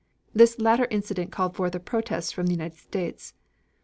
This latter incident called forth a protest from the United States.